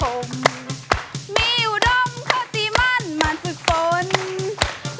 วุดองวิทย์วุดองวิทย์แรงประสิทธิ์